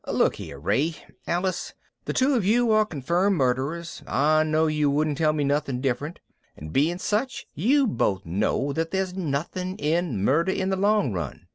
Look here, Ray ... Alice ... the two of you are confirmed murderers, I know you wouldn't tell me nothing different, and being such you both know that there's nothing in murder in the long run.